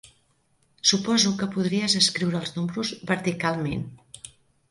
Suposo que podries escriure els números verticalment.